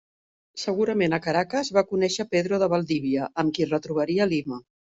Segurament a Caracas, va conèixer Pedro de Valdivia amb qui es retrobaria a Lima.